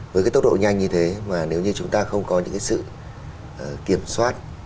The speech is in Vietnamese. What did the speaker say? với cái tốc độ nhanh như thế mà nếu như chúng ta không có những cái sự kiểm soát